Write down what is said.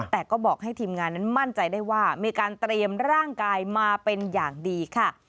แต่ก็บอกให้ทีมงานนั้นมั่นใจได้ว่ามีการเตรียมร่างกายมาเป็นอย่างดีค่ะ